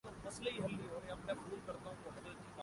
سیاسی جماعتیں بھی دانستہ اس کلچرکو فروغ دیتی ہیں۔